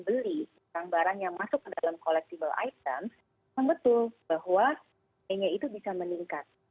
membeli barang barang yang masuk ke dalam collectible item membetul bahwa ini itu bisa meningkat